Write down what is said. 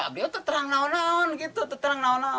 kami berdua di rumah kami berdua di rumah